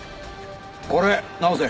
これ直せ。